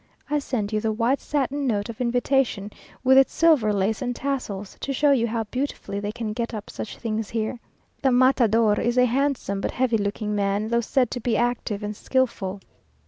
I send you the white satin note of invitation, with its silver lace and tassels, to show you how beautifully they can get up such things here. The matador is a handsome but heavy looking man, though said to be active and skilful.